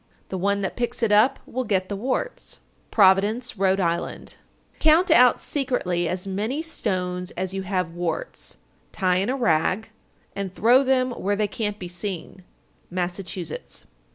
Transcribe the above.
The one that picks it up will get the warts. Providence, R.I. 911. Count out secretly as many stones as you have warts, tie in a rag, and throw them where they can't be seen. _Massachusetts.